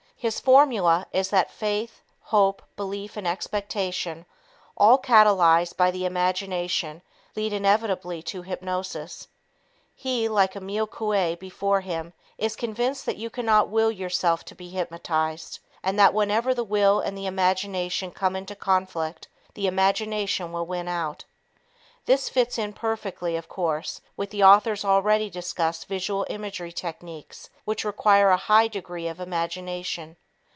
His formula is that faith, hope, belief and expectation, all catalyzed by the imagination, lead inevitably to hypnosis. He, like Emile Coué before him, is convinced that you cannot "will" yourself to be hypnotized, and that whenever the will and the imagination come into conflict, the imagination wins out. This fits in perfectly, of course, with the author's already discussed visual imagery technique which requires a high degree of imagination.